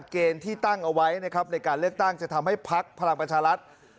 เกณฑ์ที่ตั้งเอาไว้นะครับในการเลือกตั้งจะทำให้พักพลังประชารัฐ